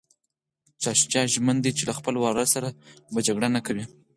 شاه شجاع ژمن دی چي له خپل وراره سره به جګړه نه کوي.